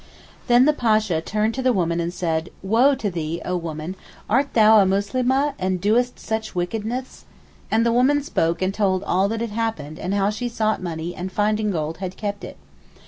'Then the Pasha turned to the woman and said, "Woe to thee O woman, art thou a Muslimeh and doest such wickedness?" And the woman spoke and told all that had happened and how she sought money and finding gold had kept it.